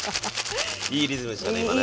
いいリズムでしたね今ね。